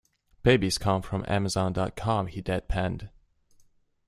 "Babies come from amazon.com," he deadpanned.